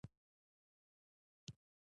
د پلار لاس د دعا لاس دی.